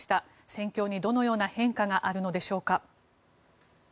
戦況にどのような変化があるのでしょうか。